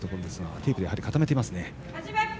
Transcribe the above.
テープで固めていますね。